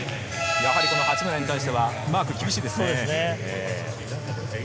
やはりこの八村に対してはマークが厳しいですね。